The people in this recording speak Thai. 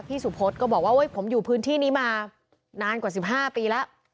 สุพธก็บอกว่าผมอยู่พื้นที่นี้มานานกว่า๑๕ปีแล้ว